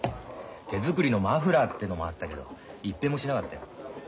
手作りのマフラーってのもあったけどいっぺんもしなかったよ。